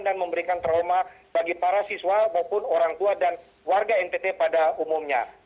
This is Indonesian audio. memberikan trauma bagi para siswa maupun orang tua dan warga ntt pada umumnya